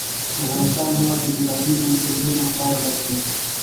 د افغانستان هېواد له بېلابېلو ډولونو خاوره ډک دی.